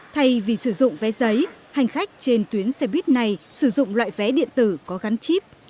thay vì sử dụng vé giấy hành khách trên tuyến xe buýt này sử dụng loại vé điện tử có gắn chip